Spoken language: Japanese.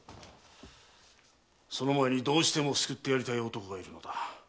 その前にどうしても救ってやりたい男がいるんだ。